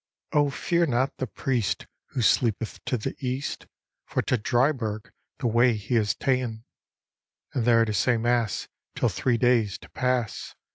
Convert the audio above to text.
—"' O fear not the priest, who sleepeth to the east, For to Dryburgh the way he has ta'en, And there to say mass, till three days do pass.